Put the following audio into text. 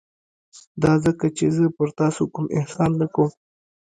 دا ځکه چې زه پر تاسو کوم احسان نه کوم.